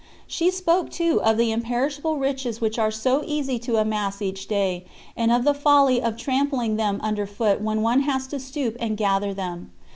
She spoke, too, of the imperishable riches which are so easy to amass each day, and of the folly of trampling them under foot when one has but to stoop and gather them.